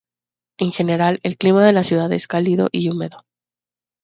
En general, el clima de la ciudad es cálido y húmedo.